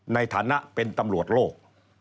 ในฐานะเป็นตำรวจโลก